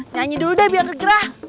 nyanyi dulu deh biar kegerah